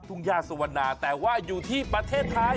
ย่าสุวรรณาแต่ว่าอยู่ที่ประเทศไทย